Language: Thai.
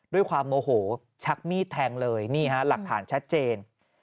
ด้วยความโมโหชักมีดแทงเลยนี่ฮะหลักฐานชัดเจน